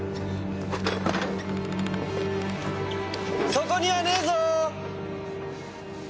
そこにはねぇぞ！